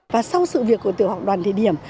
và sau sự việc của tiểu học đoàn thị điểm